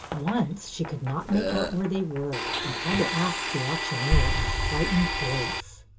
Once she could not make out where they were and had to ask the auctioneer in a frightened voice.